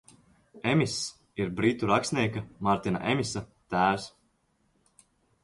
Emiss ir britu rakstnieka Martina Emisa tēvs.